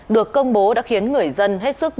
được công bố đã khiến người dân hết sức